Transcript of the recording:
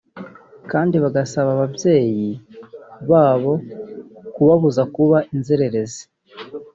kandi bagasaba ababyeyi babo kubabuza kuba inzererezi